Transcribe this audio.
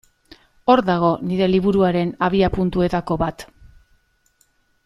Hor dago nire liburuaren abiapuntuetako bat.